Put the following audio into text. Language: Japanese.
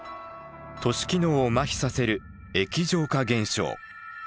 都市機能をまひさせる液状化現象。